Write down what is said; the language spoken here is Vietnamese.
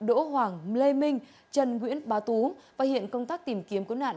đỗ hoàng lê minh trần nguyễn bá tú và hiện công tác tìm kiếm cứu nạn